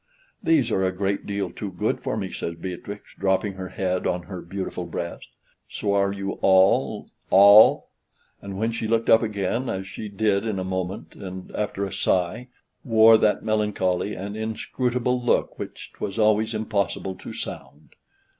"These are a great deal too good for me," says Beatrix, dropping her head on her beautiful breast, "so are you all, all!" And when she looked up again, as she did in a moment, and after a sigh, her eyes, as they gazed at her cousin, wore that melancholy and inscrutable look which 'twas always impossible to sound.